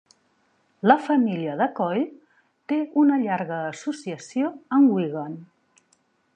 La família de Coyle té una llarga associació amb Wigan.